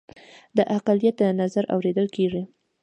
د اقلیت نظر اوریدل کیږي